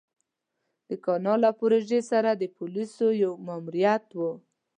د کانال له پروژې سره د پوليسو يو ماموريت و.